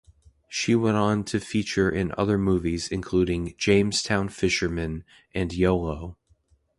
She went on to feature in other movies including "Jamestown Fisherman" and "Yolo".